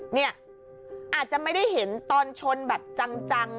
เนี่ยอาจจะไม่ได้เห็นตอนชนแบบจัง